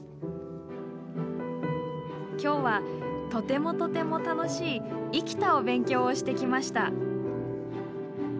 「今日はとてもとても楽しい生きたお勉強をしてきました。